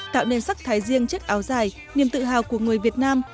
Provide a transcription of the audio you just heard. tạo nên sắc thái riêng chiếc áo dài niềm tự hào của người việt nam